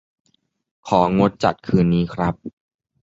ของดจัดคืนนี้ครับ